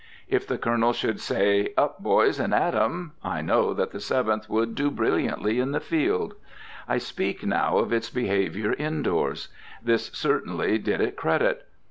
If the Colonel should say, "Up, boys, and at 'em!" I know that the Seventh would do brilliantly in the field. I speak now of its behavior in doors. This certainly did it credit.